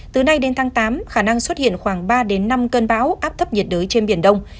từ nay đến tháng tám khả năng xuất hiện khoảng ba đến năm cơn bão áp thấp nhiệt đới trên biển đông